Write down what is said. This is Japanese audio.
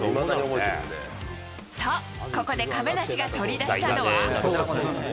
と、ここで亀梨が取り出したのは。